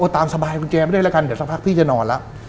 ตามสบายคุณแจมไปด้วยละกันเดี๋ยวสักพักพี่จะนอนละ